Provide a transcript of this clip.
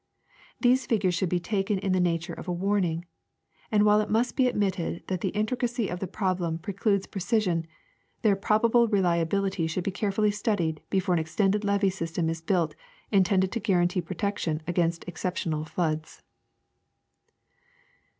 These figures should be taken in the nature of a warning ; and while it must be admitted that the intricacy of the problem precludes precision, their i^robable relia bility should be carefully studied before an extended levee sys tem is built intended to guarantee protection against excejDtional floods.